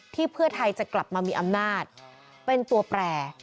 เพื่อไทยจะกลับมามีอำนาจเป็นตัวแปร